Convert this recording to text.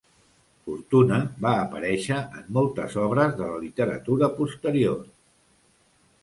Fortuna va aparèixer en moltes obres de la literatura posterior.